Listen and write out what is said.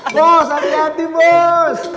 masak atik bos